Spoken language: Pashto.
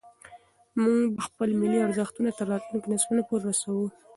موږ به خپل ملي ارزښتونه تر راتلونکو نسلونو پورې رسوو.